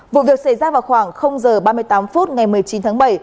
vụ việc xảy ra vào khoảng h ba mươi tám phút ngày một mươi chín tháng bảy